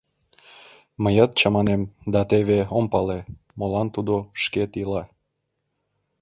— Мыят чаманем да теве ом пале, молан тудо шкет ила?